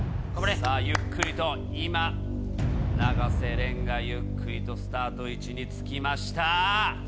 さあ、ゆっくりと今、永瀬廉がゆっくりとスタート位置につきました。